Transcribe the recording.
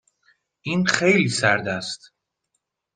این خیلی سرد است.